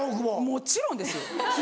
もちろんですよ。